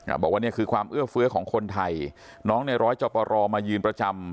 บอกว่าเนี้ยคือความเอื้อเฟื้อของคนไทยน้องในร้อยจอปรมายืนประจำ